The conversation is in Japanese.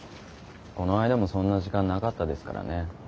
この間もそんな時間なかったですからね。